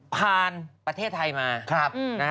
พ่านประเทศไทยมา